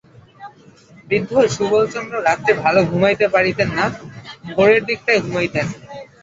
বৃদ্ধ সুবলচন্দ্র রাত্রে ভালো ঘুমাইতে পারিতেন না, ভোরের দিকটায় ঘুমাইতেন।